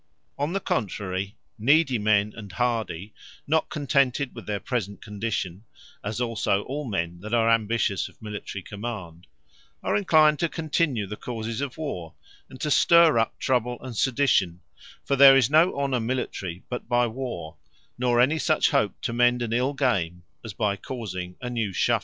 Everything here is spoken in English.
On the contrary, needy men, and hardy, not contented with their present condition; as also, all men that are ambitious of Military command, are enclined to continue the causes of warre; and to stirre up trouble and sedition: for there is no honour Military but by warre; nor any such hope to mend an ill game, as by causing a new shuffle.